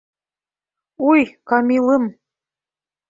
Уй, Камилым!